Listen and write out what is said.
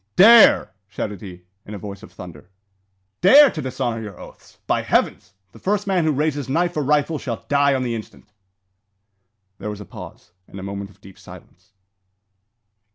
"Dare!" shouted he, in a voice of thunder, "dare to dishonour your oaths! By heavens! the first man who raises knife or rifle shall die on the instant!" There was a pause, and a moment of deep silence.